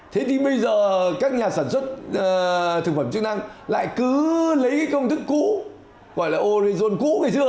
thế thì bây giờ các nhà sản xuất thực phẩm chức năng lại cứ lấy công thức cũ gọi là orizon cũ ngày xưa